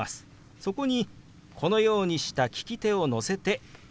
そこにこのようにした利き手を乗せて前に動かします。